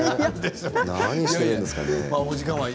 何しているんですかね。